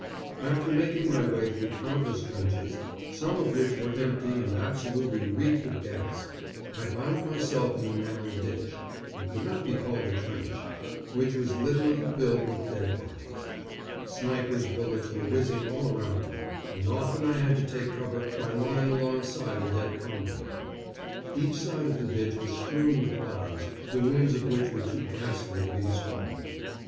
After making my way through countless trenches, some of which were empty and absolutely reeked of gas, I found myself in a narrow ditch it could not be called a trench which was literally filled with dead bodies. Snipers' bullets were whizzing all around me, and often I had to take cover by lying alongside a dead comrade. Each side of the ditch was strewn with bodies, the wounds on which were too ghastly to be described.